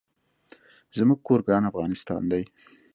زمونږ کور ګران افغانستان دي